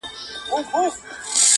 • ژوند له پوښتنو ډک پاتې کيږي,